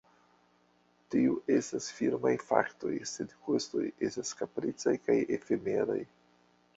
Tiuj estas firmaj faktoj, sed kostoj estas kapricaj kaj efemeraj.